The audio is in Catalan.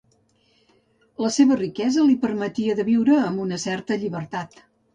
La seva riquesa li permetia de viure amb una certa llibertat.